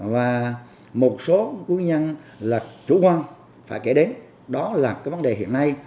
và một số nguyên nhân là chủ quan phải kể đến đó là cái vấn đề hiện nay